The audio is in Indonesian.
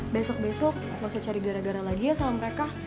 besok besok masih cari gara gara lagi ya sama mereka